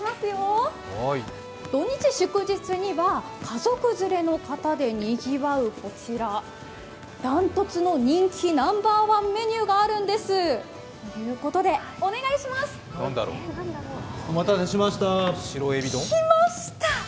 土日、祝日には家族連れの方でにぎわうこちら、断トツの人気ナンバーワンメニューがあるんですということで、お願いしまーす。来ました！